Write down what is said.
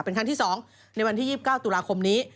เป็นครั้งที่๒ในวันที่๒๙ตุลาคมนี้